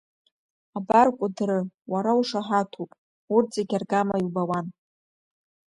Абар Кәыдры, уара ушаҳаҭуп, урҭ зегь аргама иубауан!